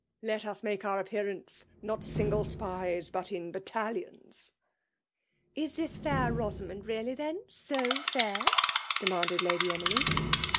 Let us make our appearance —' not single spies, but in battalions,' ".Is this Fair Bosamond really, then, so fiur?" demanded Lady Emily.